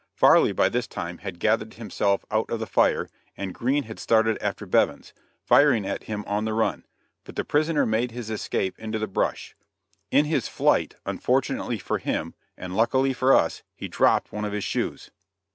Farley by this time had gathered himself out of the fire, and Green had started after Bevins, firing at him on the run; but the prisoner made his escape into the brush. In his flight, unfortunately for him, and luckily for us, he dropped one of his shoes.